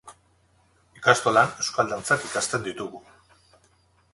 Ikastolan euskal dantzak ikasten ditugu